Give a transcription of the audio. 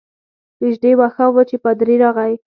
نژدې ماښام وو چي پادري راغلی.